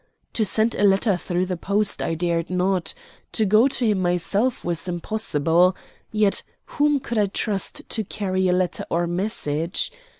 To send a letter through the post I dared not; to go to him myself was impossible; yet whom could I trust to carry a letter or message?